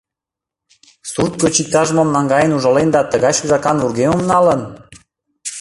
Сурт гыч иктаж-мом наҥгаен ужален да тыгай шергакан вургемым налын?